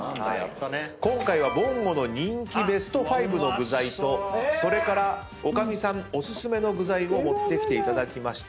今回は「ぼんご」の人気ベスト５の具材とそれから女将さんお薦めの具材を持ってきていただきました。